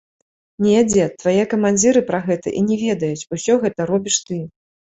Не, дзед, твае камандзіры пра гэта і не ведаюць, усё гэта робіш ты.